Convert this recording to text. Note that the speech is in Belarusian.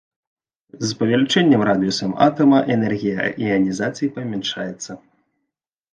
З павелічэннем радыуса атама энергія іанізацыі памяншаецца.